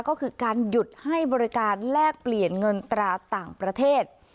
ก็คือการหยุดให้บริการแลกเปลี่ยนเงินตราต่างประเทศ